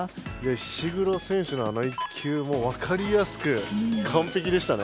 石黒選手のあの１球もうわかりやすくかんぺきでしたね。